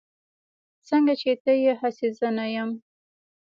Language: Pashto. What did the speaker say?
سنګه چې ته يي هسې زه نه يم